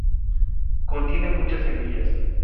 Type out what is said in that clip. Contiene muchas semillas.